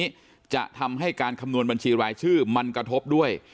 นี้จะทำให้การคำนวณบัญชีรายชื่อมันกระทบด้วย